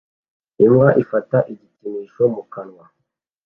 Imbwa ifata igikinisho mu kanwa